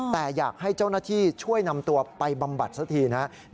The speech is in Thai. แต่อยากให้เจ้าหน้าที่ช่วยนำตัวไปบำบัดสักทีนะครับ